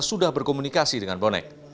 sudah berkomunikasi dengan bonek